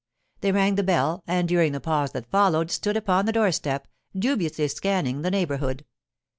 They rang the bell, and during the pause that followed stood upon the door step, dubiously scanning the neighbourhood.